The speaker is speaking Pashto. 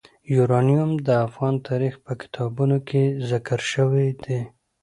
یورانیم د افغان تاریخ په کتابونو کې ذکر شوی دي.